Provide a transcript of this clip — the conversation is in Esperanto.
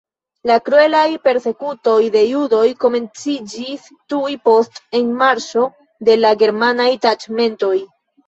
La kruelaj persekutoj de judoj komenciĝis tuj post enmarŝo de la germanaj taĉmentoj.